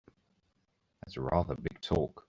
That's rather big talk!